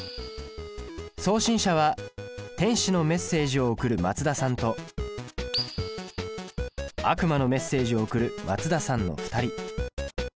送信者は天使のメッセージを送るマツダさんと悪魔のメッセージを送るマツダさんの２人。